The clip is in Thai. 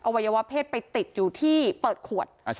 วัยวะเพศไปติดอยู่ที่เปิดขวด